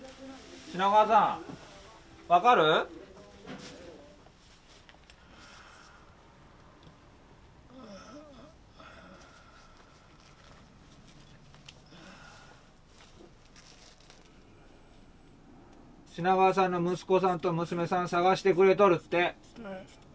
品川さんの息子さんと娘さん探してくれとるって。